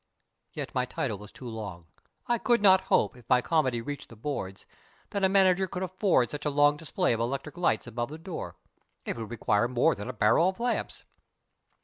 Yet my title was too long. I could not hope, if my comedy reached the boards, that a manager could afford such a long display of electric lights above the door. It would require more than a barrel of lamps.